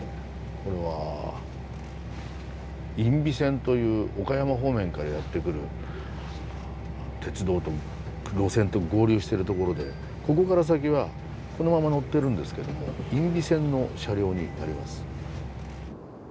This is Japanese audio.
これは因美線という岡山方面からやって来る鉄道と路線と合流してる所でここから先はこのまま乗ってるんですけども因美線の車両になります。